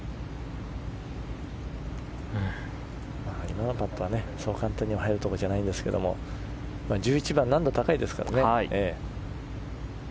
今のパットは、そう簡単に入るところじゃないんですけど１１番、難度高いですからね。